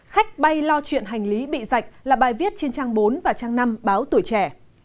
khách bay lo chuyện hành lý bị dạch là bài viết trên trang bốn và trang năm báo tuổi trẻ